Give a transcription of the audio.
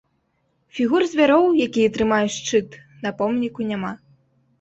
Фігур звяроў, якія трымаюць шчыт, на помніку няма.